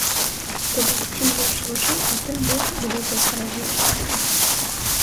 То бок, чым лепш вучыўся, тым больш давядзецца разлічвацца.